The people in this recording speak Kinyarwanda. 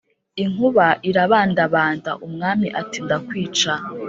inkuba irabandabanda, umwami ati ndakwica